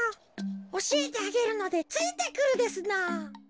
おしえてあげるのでついてくるですのぉ。